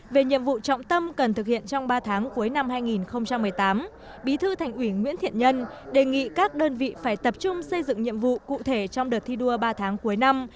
về nhiệm vụ trọng tâm cần thực hiện trong ba tháng cuối năm hai nghìn một mươi tám bí thư thành ủy nguyễn thiện nhân đề nghị các đơn vị phải tập trung xây dựng nhiệm vụ cụ thể trong đợt thi đua ba tháng cuối năm